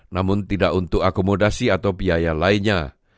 namun tidak untuk akomodasi atau biaya lainnya